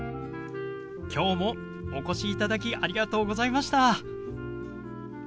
今日もお越しいただきありがとうございました。